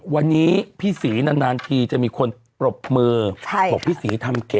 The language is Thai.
วันนี้พี่ศรีนานทีจะมีคนปรบมือบอกพี่ศรีทำเก๋